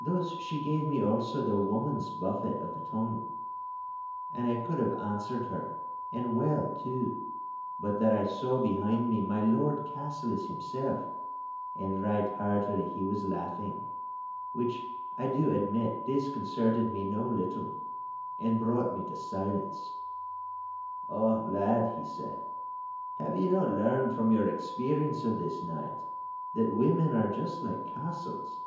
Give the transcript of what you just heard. Thus she gave me also the woman's buffet of the tongue, and I could have answered her, and well, too, but that I saw behind me my Lord Cassillis himself, and right heartily he was laughing—which, I do admit, disconcerted me no little, and brought me to silence. 'Ah, lad,' he said, 'have ye not learned from your experience of this night that women are just like castles?